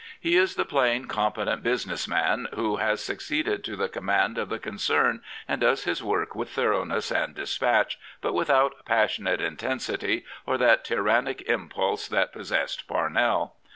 He is the plain, competent business man who has succeeded to the command of the concern and does his work with thoroughness and dispatch, but without passion ate intensity or that tyrannic impulse that possessed Parnell.